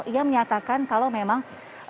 yang menyatakan kalau memang